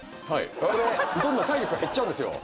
これどんどん体力が減っちゃうんですよ。